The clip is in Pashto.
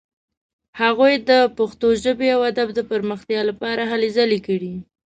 هغوی د پښتو ژبې او ادب د پرمختیا لپاره هلې ځلې کړې.